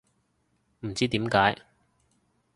唔知點解